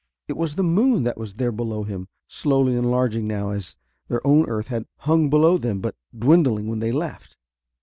It was the moon that was there below them, slowly enlarging now, as their own earth had hung below them, but dwindling, when they left.